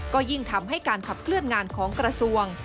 ก็ยิ่งทำให้การขับเคลื่อนงานของกระทรวง